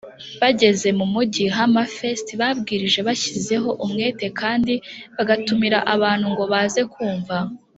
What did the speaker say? bageze mu mugi wa Hammerfest babwirije bashyizeho umwete kandi bagatumira abantu ngo baze kumva